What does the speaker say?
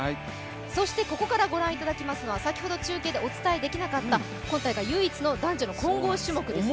そしてここからご覧いただきますのは、先ほど中継でお伝えできなかった今大会唯一の男女の混合種目ですね。